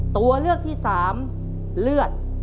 ตัวเลือกที่๓เลือด